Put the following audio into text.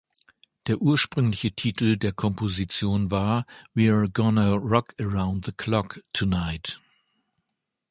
Der ursprüngliche Titel der Komposition war "We’re Gonna Rock Around the Clock Tonight!